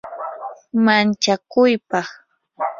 manchakuypaq